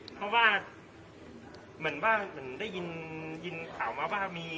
เพราะว่าเหมือนว่าได้ยินข่าวมาว่า